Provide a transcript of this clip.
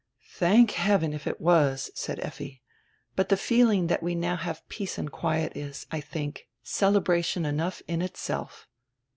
"Thank heaven, if it was," said Effi. "But die feeling tiiat we now have peace and quiet is, I diink, celebration enough in itself.